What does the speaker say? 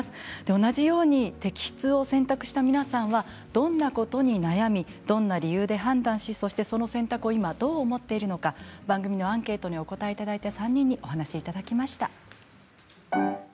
同じように摘出を選択した皆さんはどんなことに悩み、どんな理由で判断しその選択を今どう思っているのか番組のアンケートにお答えいただいた３人にお話をしていただきました。